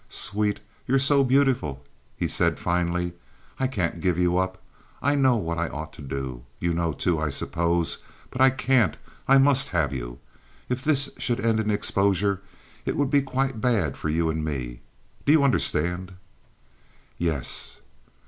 "Sweet, you're so beautiful," he said finally, "I can't give you up. I know what I ought to do. You know, too, I suppose; but I can't. I must have you. If this should end in exposure, it would be quite bad for you and me. Do you understand?" "Yes."